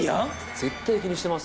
絶対気にしてます。